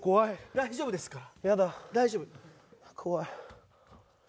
大丈夫ですから。